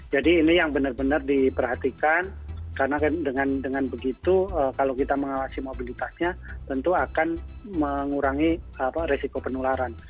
jadi ini yang benar benar di perhatikan karena dengan begitu kalau kita mengawasi mobilitasnya tentu akan mengurangi risiko penularan